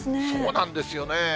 そうなんですよね。